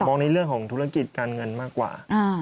ในเรื่องของธุรกิจการเงินมากกว่า